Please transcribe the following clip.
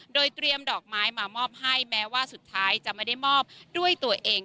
โดยเตรียมดอกไม้มามอบให้แม้ว่าสุดท้ายจะไม่ได้มอบด้วยตัวเอง